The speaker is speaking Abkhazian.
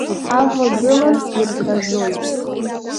Дҳавагылан ирҳәазоит.